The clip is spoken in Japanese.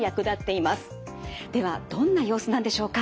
ではどんな様子なんでしょうか？